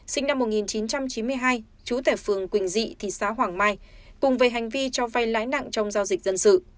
sinh năm một nghìn chín trăm chín mươi hai chú tệ phường quỳnh dị thị xã hoàng mai cùng về hành vi cho vay lãi nặng trong giao dịch dân sự